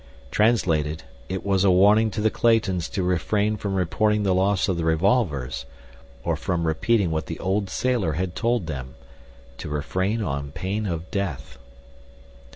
Translated, it was a warning to the Claytons to refrain from reporting the loss of the revolvers, or from repeating what the old sailor had told them—to refrain on pain of death.